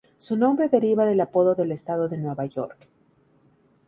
Su nombre deriva del apodo del Estado de Nueva York.